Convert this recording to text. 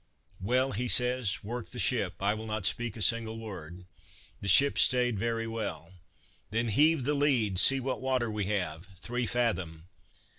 "Well," says he, "work the ship, I will not speak a single word." The ship stayed very well. "Then, heave the lead! see what water we have!" "Three fathom."